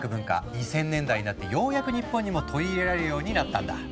２０００年代になってようやく日本にも取り入れられるようになったんだ。